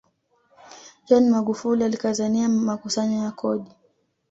john magufuli alikazania makusanyo ya kodi